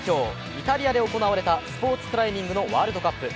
イタリアで行われたスポーツクライミングのワールドカップ。